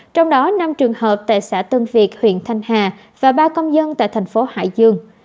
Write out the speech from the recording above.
trong đó năm trường hợp tại xã tân việt huyện thanh hà và ba công dân tại thành phố hải dương